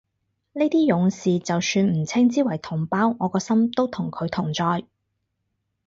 呢啲勇士就算唔稱之為同胞，我個心都同佢同在